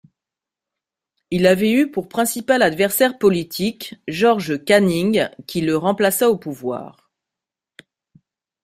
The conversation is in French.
Il avait eu pour principal adversaire politique George Canning, qui le remplaça au pouvoir.